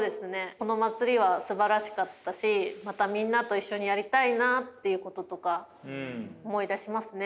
この祭りは、すばらしかったしまたみんなと一緒にやりたいなっていうこととか思い出しますね。